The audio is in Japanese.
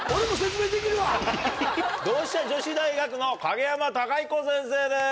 同志社女子大学の影山貴彦先生です。